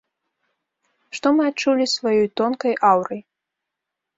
Што мы адчулі сваёй тонкай аўрай.